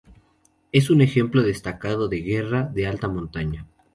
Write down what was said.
Es un ejemplo destacado de guerra de alta montaña.